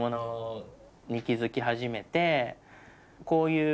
こういう。